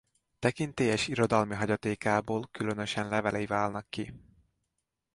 Tekintélyes irodalmi hagyatékából különösen levelei válnak ki.